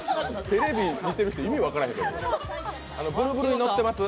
テレビ見てる人、意味分からへんと思います。